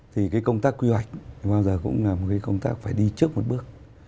thì cái công tác quy hoạch bao giờ cũng là một cái công tác phải đi trước một bước